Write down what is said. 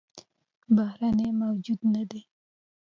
بهرنى موجود نه دى